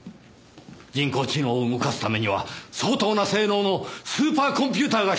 人工知能を動かすためには相当な性能のスーパーコンピューターが必要なはずです！